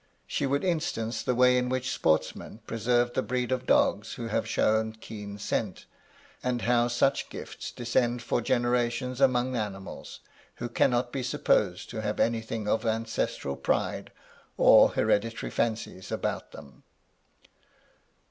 She would instance the way in which sportsmen preserve the breed of dogs who have shown 72 MY LADY LUDLOW. keen scent ; and how such gifts descend for generations amongst animals, who cannot be supposed to have any thing of ancestral pride, or hereditary fancies about them.